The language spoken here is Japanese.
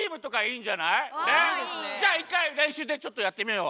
じゃあ１かいれんしゅうでちょっとやってみよう。